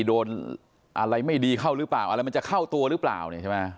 โดนอะไรไม่ดีเข้าหรือเปล่าอะไรมันจะเข้าตัวหรือเปล่าเนี่ยใช่ไหม